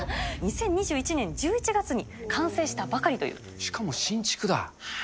２０２１年１１月に完成したしかも新築だ。